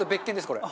これ。